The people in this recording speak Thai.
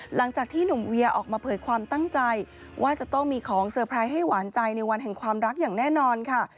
หลังจากที่หนุ่มเวียออกมาเผยความตั้งใจว่าจะต้องมีของเซอร์ไพรส์ให้หวานใจในวันแห่งความรักอย่างแน่นอนค่ะ